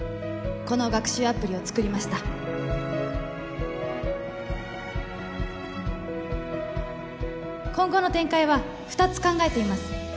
この学習アプリを作りました今後の展開は二つ考えています